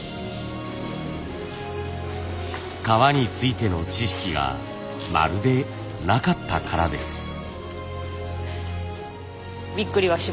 革についての知識がまるでなかったからです。